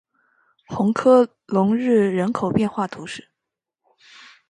红科隆日人口变化图示